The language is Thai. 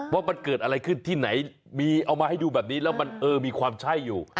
ว่ามันเกิดอะไรขึ้นที่ไหนมีเอามาให้ดูแบบนี้แล้วมันเออมีความใช่อยู่